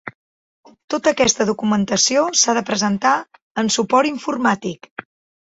Tota aquesta documentació s'ha de presentar en suport informàtic.